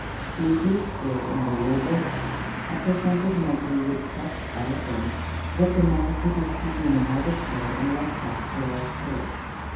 Sleepy, scared and bewildered, I presented my plea with such eloquence that the man put his team in another stall and left us to our straw.